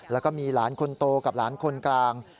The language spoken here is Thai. แล้วก็มีหลานคนโตกับหลานคนกลาง